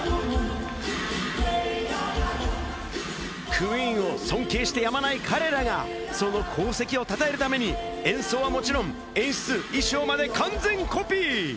クイーンを尊敬してやまない彼らが、その功績をたたえるために、演奏はもちろん、演出、衣装まで完全コピー。